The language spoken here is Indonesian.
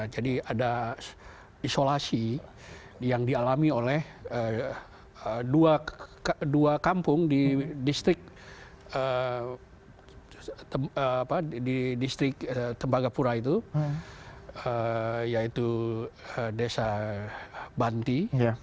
jadi ada isolasi yang dialami oleh dua kampung di distrik tembagapura itu yaitu desa banti